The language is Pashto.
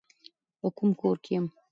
په کور کي يم .